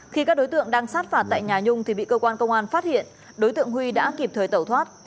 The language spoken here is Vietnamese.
khi các đối tượng đang sát phạt tại nhà nhung thì bị cơ quan công an phát hiện đối tượng huy đã kịp thời tẩu thoát